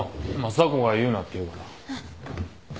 査子が言うなって言うから。